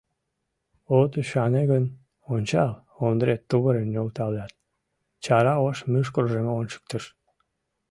От ӱшане гын, ончал, — Ондре тувырым нӧлталят, чара ош мӱшкыржым ончыктыш.